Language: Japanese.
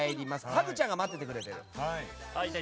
ハグちゃんが待っててくれてる。